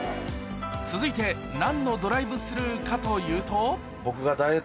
続いて何のドライブスルーかというと僕が。